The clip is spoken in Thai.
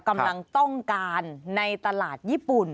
กำลังต้องการในตลาดญี่ปุ่น